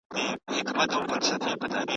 څه سي د سياست انحصار له منځه يووړ؟